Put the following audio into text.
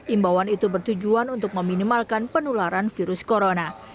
imbauan itu bertujuan untuk meminimalkan penularan virus corona